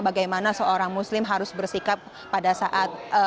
bagaimana seorang muslim harus bersikap pada saat